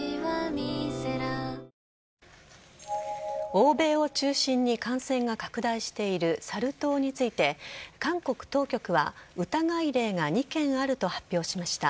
欧米を中心に感染が拡大しているサル痘について韓国当局は疑い例が２件あると発表しました。